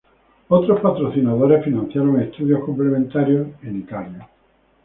Otros patrocinadores financiaron estudios complementarios en Italia.